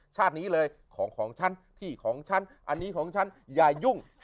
ชาตินี้เลยของของฉันที่ของฉันอันนี้ของฉันอย่ายุ่ง